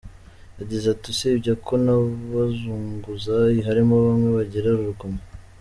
Yagize ati “Usibye ko n’abazunguzayi harimo bamwe bagira urugomo.